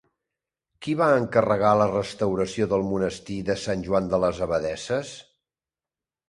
Qui va encarregar la restauració del monestir de Sant Joan de les Abadesses?